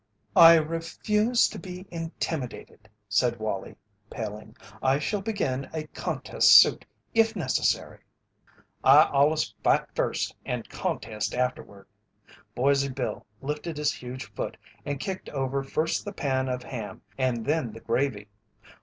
"I refuse to be intimidated," said Wallie, paling. "I shall begin a contest suit if necessary." "I allus fight first and contest afterward." Boise Bill lifted his huge foot and kicked over first the pan of ham and then the gravy.